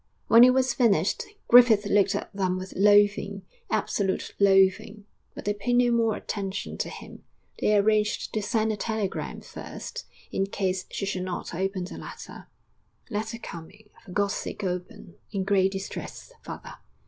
When it was finished, Griffith looked at them with loathing, absolute loathing but they paid no more attention to him. They arranged to send a telegram first, in case she should not open the letter, 'Letter coming; for God's sake open! In great distress. FATHER.'